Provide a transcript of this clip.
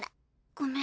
ごめん。